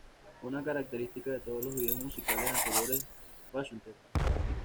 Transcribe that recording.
Una característica de todos los videos musicales anteriores Basshunter.